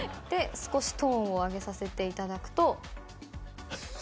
少しトーンを上げさせていただくと。